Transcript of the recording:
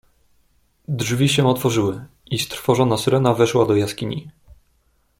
"Drzwi się otworzyły i strwożona Syrena weszła do jaskini."